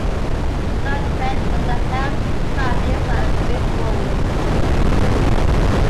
Duquette also helped found the Israel Baseball League.